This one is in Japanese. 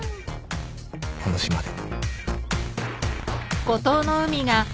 この島で